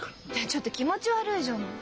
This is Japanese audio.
ちょっと気持ち悪いじゃない。